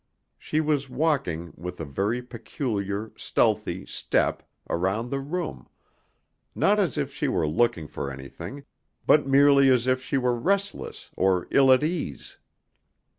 She was walking, with a very peculiar, stealthy step, around the room, not as if she were looking for anything, but merely as if she were restless or ill at ease.